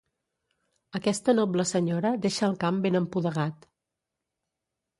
Aquesta noble senyora deixa el camp ben empudegat.